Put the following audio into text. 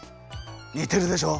にてるでしょ？